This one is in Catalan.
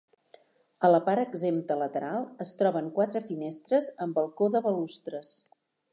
A la part exempta lateral, es troben quatre finestres amb balcó de balustres.